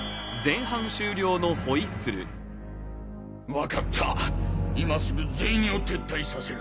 わかった今すぐ全員を撤退させる。